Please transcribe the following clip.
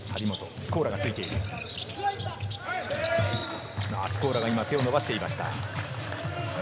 スコーラが今、手を伸ばしていました。